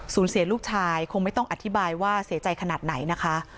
เสียลูกชายคงไม่ต้องอธิบายว่าเสียใจขนาดไหนนะคะ